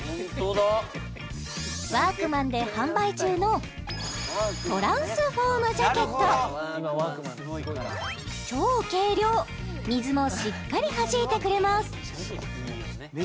ワークマンで販売中のトランスフォームジャケット超軽量水もしっかりはじいてくれます